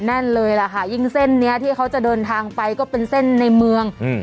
แน่นเลยล่ะค่ะยิ่งเส้นเนี้ยที่เขาจะเดินทางไปก็เป็นเส้นในเมืองอืม